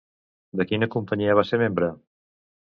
De quina companyia va ser membre?